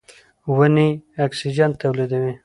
ونې اکسیجن تولیدوي.